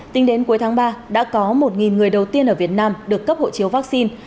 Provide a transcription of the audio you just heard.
tính đến cuối tháng ba đã có một người đầu tiên ở việt nam được cấp hộ chiếu vaccine